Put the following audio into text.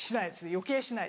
余計しないです。